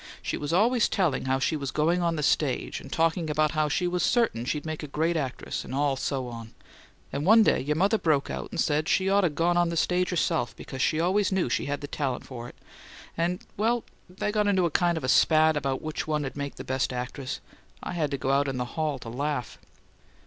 "She was always telling how she was going on the stage, and talking about how she was certain she'd make a great actress, and all so on; and one day your mother broke out and said she ought 'a' gone on the stage, herself, because she always knew she had the talent for it and, well, they got into kind of a spat about which one'd make the best actress. I had to go out in the hall to laugh!"